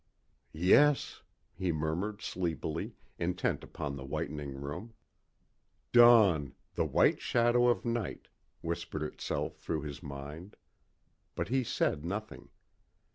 "Yes," he murmured sleepily, intent upon the whitening room. "Dawn the white shadow of night," whispered itself through his mind. But he said nothing.